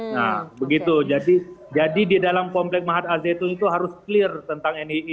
nah begitu jadi di dalam komplek mahat al zaitun itu harus clear tentang nii